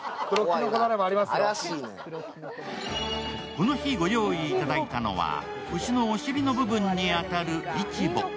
この日御用いただいたのは牛のお尻の部分に当たるイチボ。